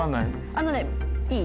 あのねいい？